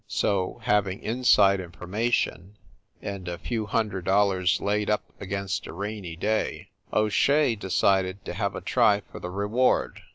So, having in side information, and a few hundred dollars laid up against a rainy day, O Shea decided to have a try for the reward.